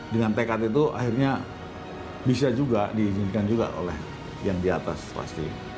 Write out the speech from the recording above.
dengan tekad itu akhirnya bisa juga diizinkan juga oleh yang di atas pasti